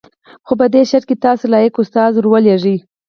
خو په دې شرط چې تاسو لایق استازی ور ولېږئ.